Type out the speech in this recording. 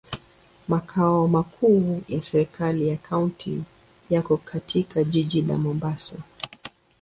Makao makuu ya serikali ya kaunti yako katika jiji la Mombasa.